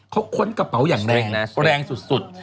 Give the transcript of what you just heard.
เขาค้นกระเป๋าอย่างแรงนะแรงแรงสุด